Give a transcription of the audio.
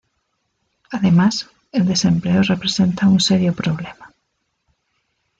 Además, el desempleo representa un serio problema.